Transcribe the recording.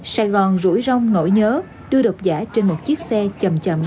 sài gòn rủi rong nổi nhớ đưa đọc giả trên một chiếc xe chầm chầm